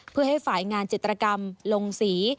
เพื่อให้ฝ่ายงานจิตรกรรมลงสี